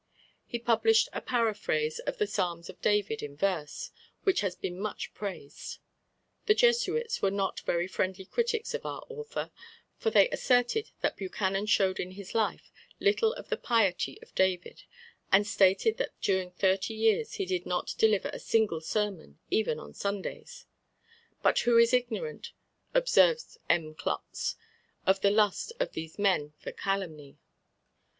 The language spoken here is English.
He published a paraphrase of the Psalms of David in verse, which has been much praised. The Jesuits were not very friendly critics of our author, for they asserted that Buchanan showed in his life little of the piety of David, and stated that during thirty years he did not deliver a single sermon, even on Sundays. "But who is ignorant," observes M. Klotz, "of the lust of these men for calumny?"